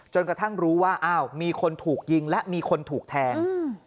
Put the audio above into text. กระทั่งรู้ว่าอ้าวมีคนถูกยิงและมีคนถูกแทง